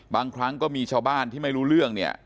บางครั้งก็มีชาวบ้านที่ไม่รู้เรื่องเนี่ย